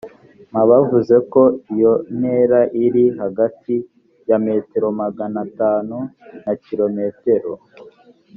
m abavuze ko iyo ntera iri hagati ya metero magana atanu na kilometero